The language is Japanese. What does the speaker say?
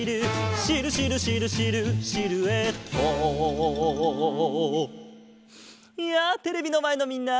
「シルシルシルシルシルエット」やあテレビのまえのみんな！